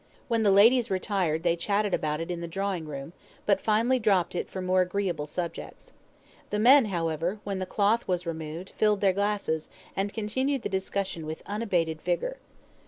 When the ladies retired they chatted about it in the drawingroom, but finally dropped it for more agreeable subjects. The men, however, when the cloth was removed, filled their glasses, and continued the discussion with unabated vigour.